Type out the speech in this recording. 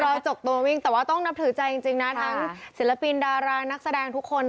จกตัววิ่งแต่ว่าต้องนับถือใจจริงนะทั้งศิลปินดารานักแสดงทุกคน